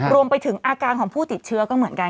รวมไปถึงอาการของผู้ติดเชื้อก็เหมือนกัน